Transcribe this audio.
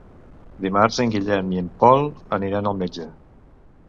Dimarts en Guillem i en Pol iran al metge.